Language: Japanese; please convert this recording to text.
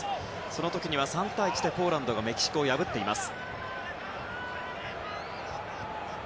その時は３対１でポーランドがメキシコを破っています。